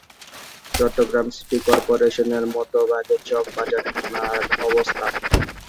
Chittagong city কর্পোরেশনের মধ্যভাগে চকবাজার থানার অবস্থান।